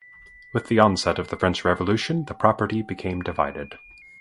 With the onset of the French Revolution, the property became divided.